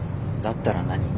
だったら何？